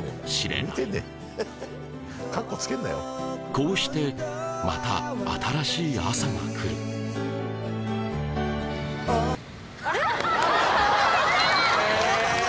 こうしてまた新しい朝が来る大田さん！